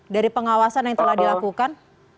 dari pengawasan yang telah dilakukan